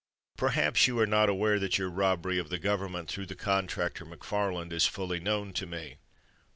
"Perhaps you are not aware that your robbery of the Government through the contractor, McFarland, is fully known to me."